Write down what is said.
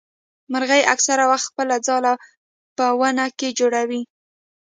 مرغۍ اکثره وخت خپل ځاله په ونه کي جوړوي.